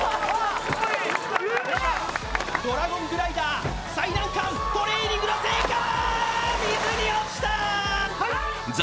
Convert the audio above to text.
ドラゴングライダー、最難関、トレーニングの成果は？